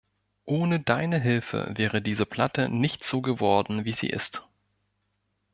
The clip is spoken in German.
Ohne deine Hilfe wäre diese Platte nicht so geworden, wie sie ist!